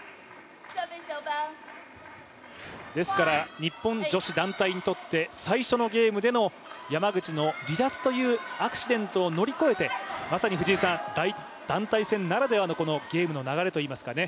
ですから、日本女子団体にとって最初のゲームでの山口の離脱というアクシデントを乗り越えて、まさに団体戦ならではのゲームの流れといいますかね。